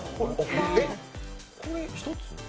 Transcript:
これ、１つ？